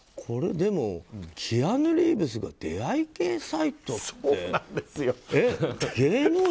これはでもキアヌ・リーブスが出会い系サイトって。